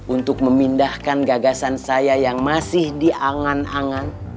untuk memindahkan gagasan saya yang masih diangan angan